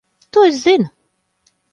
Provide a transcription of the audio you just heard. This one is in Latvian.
To es zinu.